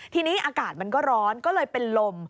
ทีนี้อากาศมันก็ร้อนก็เลยเป็นลม